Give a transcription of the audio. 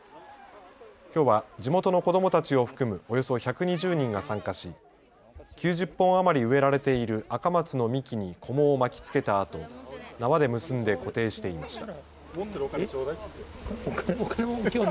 きょうは地元の子どもたちを含むおよそ１２０人が参加し９０本余り植えられているアカマツの幹にこもを巻きつけたあと縄で結んで固定していました。